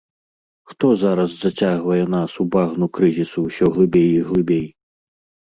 Хто зараз зацягвае нас у багну крызісу ўсё глыбей і глыбей?